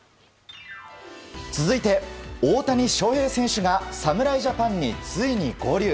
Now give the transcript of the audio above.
続いて、大谷翔平選手が侍ジャパンについに合流。